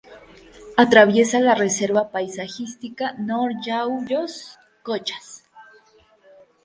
Atraviesa la Reserva paisajística Nor Yauyos-Cochas.